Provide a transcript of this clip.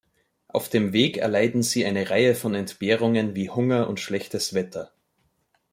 Auf dem Weg erleiden sie eine Reihe von Entbehrungen wie Hunger und schlechtes Wetter.